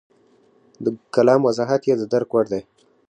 د کلام وضاحت یې د درک وړ دی.